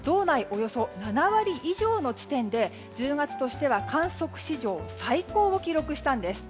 およそ７割以上の地点で１０月としては観測史上最高を記録したんです。